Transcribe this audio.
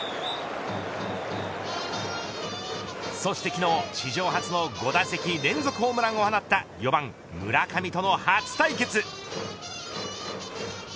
そして昨日、史上初の５打席連続ホームランを放った４番村上との初対決。